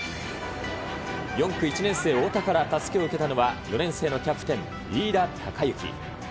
４区、１年生、太田からたすきを受けたのは４年生のキャプテン、飯田貴之。